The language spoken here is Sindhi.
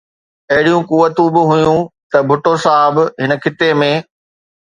اهڙيون قوتون به هيون ته ڀٽو صاحب هن خطي ۾